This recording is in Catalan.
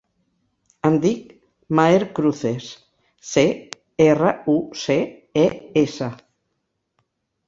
Em dic Maher Cruces: ce, erra, u, ce, e, essa.